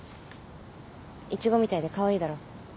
イチゴみたいでカワイイだろ。